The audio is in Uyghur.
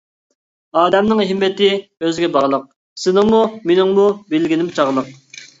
ئادەمنىڭ ھىممىتى ئۆزىگە باغلىق، سېنىڭمۇ، مېنىڭمۇ بىلگىنىم چاغلىق.